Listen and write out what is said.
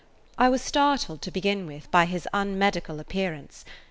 I was startled, to begin with, by his unmedical appearance.